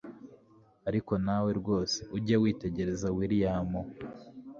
ariko nawe rwose ujye witegereza william